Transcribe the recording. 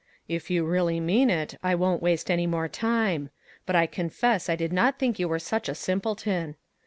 If you really mean it, I won't waste any more time ; but I confess I did not think you were such a simpleton.